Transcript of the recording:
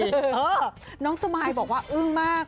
เออน้องสมายบอกว่าอึ้งมาก